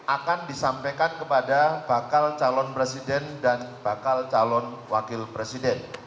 akan disampaikan kepada bakal calon presiden dan bakal calon wakil presiden